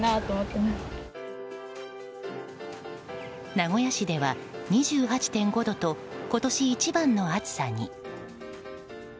名古屋市では２８．５度と今年一番の暑さに。